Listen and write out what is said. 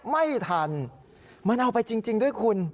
ไม่ทันมันเอาไปจริงด้วยคุณ